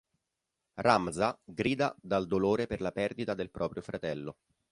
Ramza grida dal dolore per la perdita del proprio fratello.